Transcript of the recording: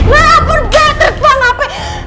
lapor enggak terpengap